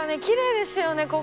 きれいですよね